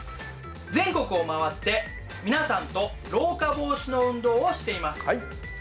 全国を回って皆さんと老化防止の運動をしています。